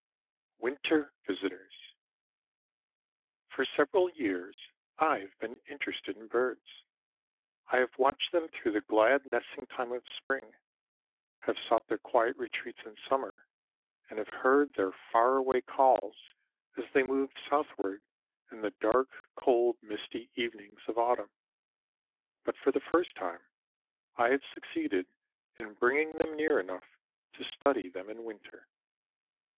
WINTER VISITORS. For several years I have been interested in birds. I have watched them through the glad nesting time of spring, have sought their quiet retreats in summer and have heard their faraway calls as they moved southward in the dark, cold, misty evenings of autumn; but for the first time I have succeeded in bringing them near enough to study them in winter.